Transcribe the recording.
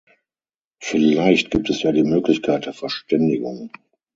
Vielleicht gibt es ja da die Möglichkeit der Verständigung.